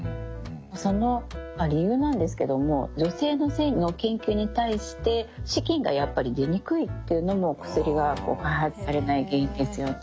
その理由なんですけども女性の性の研究に対して資金がやっぱり出にくいっていうのも薬が開発されない原因ですよね。